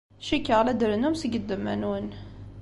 Cikkeɣ la d-trennum seg ddemma-nwen.